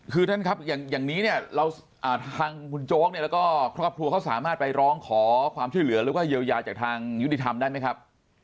คือท่านครับอย่างนี้เนี่ยเราทางคุณโจ๊กเนี่ยแล้วก็ครอบครัวเขาสามารถไปร้องขอความช่วยเหลือหรือว่าเยียวยาจากทางยุติธรรมได้ไหมครับ